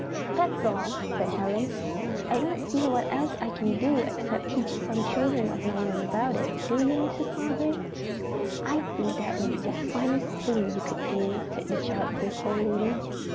"That's all," said Helen. "I don't see what else I can do except teach some children of my own about it, do you, Mrs. Hargrave?" "I think that would be the finest thing you could do," said the childless old lady.